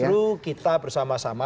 makanya itu justru kita bersama sama